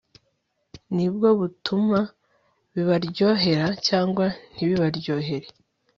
ni bwo butuma bibaryohera cyangwa ntibibaryohere